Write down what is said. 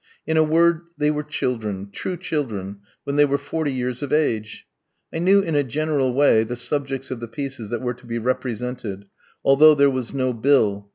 In a word, they were children, true children, when they were forty years of age. I knew in a general way the subjects of the pieces that were to be represented, although there was no bill.